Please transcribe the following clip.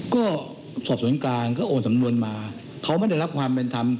ก็สอบสวนกลางก็โอนสำนวนมาเขาไม่ได้รับความเป็นธรรม